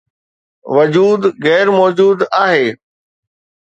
وجود غير موجود آهي